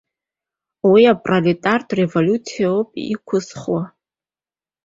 Уи апролетартә револиуциа оуп иқәызхуа.